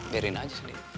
biarin aja sedih